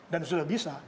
dan sudah bisa